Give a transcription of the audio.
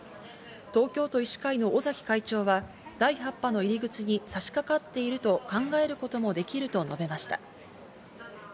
東京都医師会の尾崎会長は、第８波の入り口に差し掛かっていると考えることもできると述べました。